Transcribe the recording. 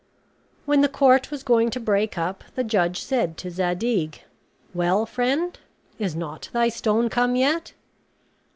When the court was going to break up, the judge said to Zadig, "Well, friend, is not thy stone come yet?"